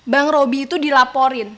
bang robi itu dilaporin